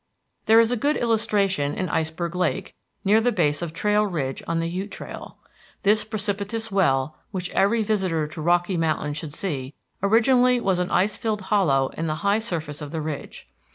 There is a good illustration in Iceberg Lake, near the base of Trail Ridge on the Ute Trail. This precipitous well, which every visitor to Rocky Mountain should see, originally was an ice filled hollow in the high surface of the ridge.